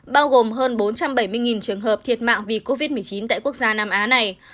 bao gồm hơn bốn trăm bảy mươi trường hợp thiệt mạng vì covid một mươi chín tại quốc gia nam á này